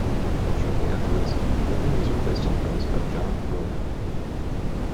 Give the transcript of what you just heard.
Shortly afterwards, Lilley was replaced on drums by John Rowland.